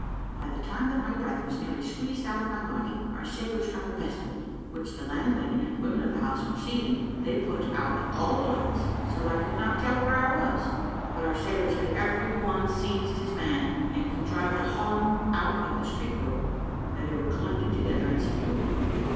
By the time that my breath was nearly squeezed out of my body, our sailors got the best of it, which the landlady and women of the house perceiving, they put out all the lights, so that I could not tell where I was; but our sailors had every one seized his man, and contrived to haul him out of the street door, where they were collected together, and secured.